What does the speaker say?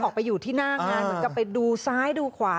ไปอยู่ที่หน้างานเหมือนกับไปดูซ้ายดูขวา